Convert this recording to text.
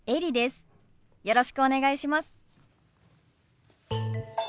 よろしくお願いします。